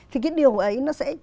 thì cái điều ấy